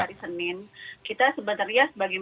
terima kasih mas reinhardt